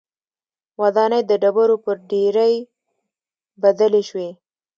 ودانۍ د ډبرو پر ډېرۍ بدلې شوې